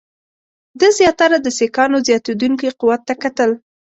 ده زیاتره د سیکهانو زیاتېدونکي قوت ته کتل.